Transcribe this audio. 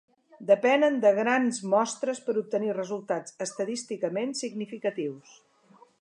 Depenen de grans mostres per obtenir resultats estadísticament significatius.